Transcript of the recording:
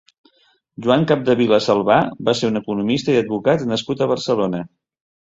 Joan Capdevila Salvà va ser un economista i advocat nascut a Barcelona.